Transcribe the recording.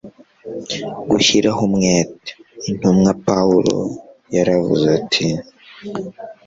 gushyiraho umwete Intumwa Pawulo yaravuze ati